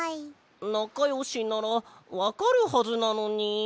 なかよしならわかるはずなのに。